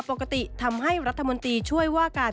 เป็นอย่างไรนั้นติดตามจากรายงานของคุณอัญชาฬีฟรีมั่วครับ